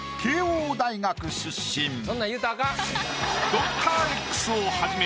「ドクターＸ」をはじめ